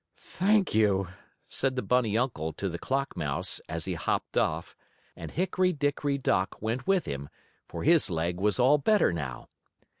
"Thank you," said the bunny uncle to the clock mouse, as he hopped off, and Hickory Dickory Dock went with him, for his leg was all better now.